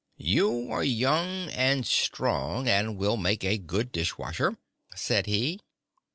"You are young and strong, and will make a good dishwasher," said he.